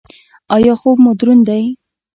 ایا خوب مو دروند دی؟